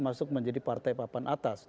masuk menjadi partai papan atas